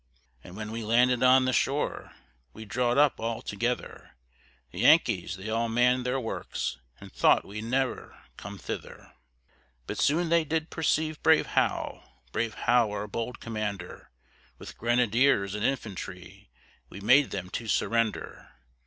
And when we landed on the shore, We draw'd up all together; The Yankees they all mann'd their works, And thought we'd ne'er come thither. But soon they did perceive brave Howe, Brave Howe, our bold commander; With grenadiers, and infantry, We made them to surrender.